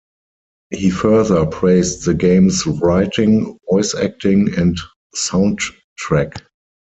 He further praised the game's writing, voice acting and soundtrack.